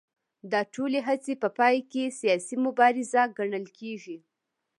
دا ټولې هڅې په پای کې سیاسي مبارزه ګڼل کېږي